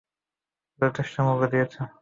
যথেষ্ট মূল্য দিয়েছ।